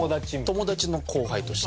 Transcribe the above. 友達の後輩として。